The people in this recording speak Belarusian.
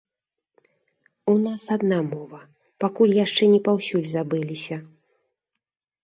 У нас адна мова, пакуль яшчэ не паўсюль забыліся.